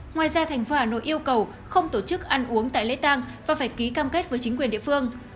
ngoài ra thành phố hà nội yêu cầu không tổ chức ăn uống tại lễ tăng và phải ký cam kết với chính quyền địa phương